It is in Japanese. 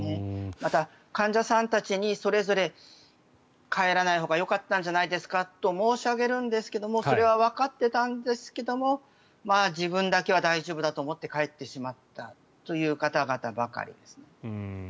また患者さんたちにそれぞれ帰らないほうがよかったんじゃないですかと申し上げるんですけどもそれはわかってたんですけども自分だけは大丈夫だと思って帰ってしまったという方々ばかりですね。